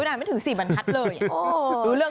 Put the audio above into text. อ่านไม่ถึง๔บรรทัศน์เลย